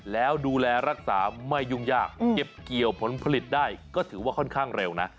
แล้วดูแลรักษาไม่ยุ่งยากเก็บเกี่ยวผลผลิตได้ก็ถือว่าค่อนข้างเร็วนะ